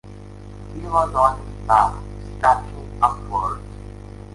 He was on his back, scratching upwards.